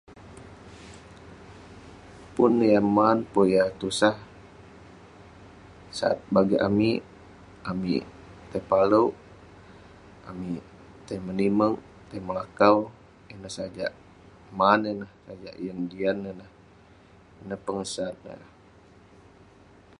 Pun yah man, pun yah tusah, sat bagik amik..amik tai palouk, amik tai menimerk, tai melakau, ineh sajak man ineh..tajak yeng jian ineh..ineh pengesat neh